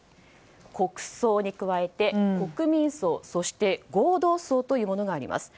国葬に加えて国民葬、そして合同葬というものがあります。